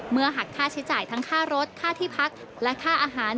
หักค่าใช้จ่ายทั้งค่ารถค่าที่พักและค่าอาหาร